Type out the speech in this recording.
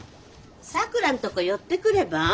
さくらんとこ寄ってくれば？